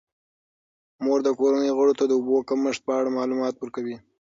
مور د کورنۍ غړو ته د اوبو د کمښت په اړه معلومات ورکوي.